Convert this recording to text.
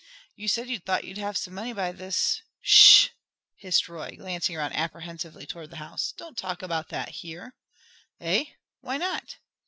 You said you thought you'd have some money this " "'Sh!" hissed Roy, glancing around apprehensively toward the house. "Don't talk about that here." "Eh? Why not?"